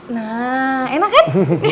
nah enak kan